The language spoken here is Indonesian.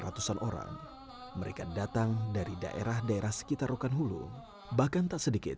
jemaah yang datang secara khusus ingin memperdalam ilmu agama